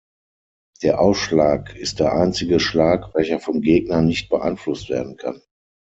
Der Aufschlag ist der einzige Schlag, welcher vom Gegner nicht beeinflusst werden kann.